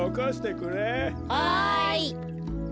はい。